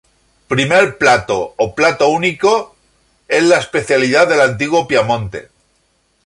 Primer plato o plato único, es la especialidad del antiguo Piamonte.